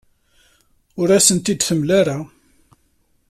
Ur asen-t-id-temla ara.